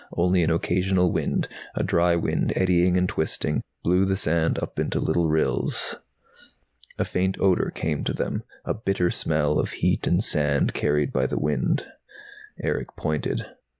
Only an occasional wind, a dry wind eddying and twisting, blew the sand up into little rills. A faint odor came to them, a bitter smell of heat and sand, carried by the wind. Erick pointed.